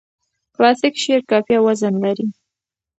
کلاسیک شعر قافیه او وزن لري.